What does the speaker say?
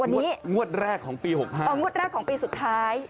วันนี้งวดแรกของปี๖๕งวดแรกของปีสุดท้าย